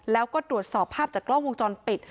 แล้วก็ตรวจสอบภาพจากกล้องวงจรปิด